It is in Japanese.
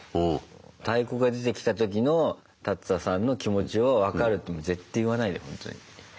太鼓が出てきた時の立田さんの気持ちを分かるって絶対言わないでほんとに。